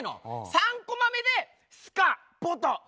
３コマ目で「スカッボトッ」。